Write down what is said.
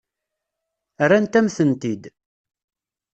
Rrant-am-tent-id.